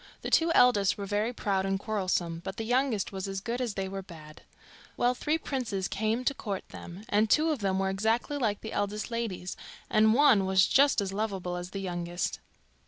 The two eldest were very proud and quarrelsome, but the youngest was as good as they were bad. Well, three princes came to court them, and two of them were exactly like the eldest ladies, and one was just as lovable as the youngest.